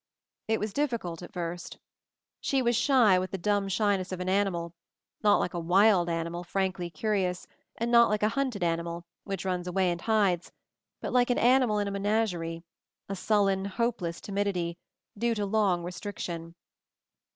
It was difficult at first. She was shy with the dumb shyness of an animal; not like a wild animal, frankly curious, not like a hunted animal, which runs away and hides, but like an animal in a menagerie, a sullen, hopeless timidity, due to long restriction.